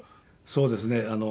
そうですね。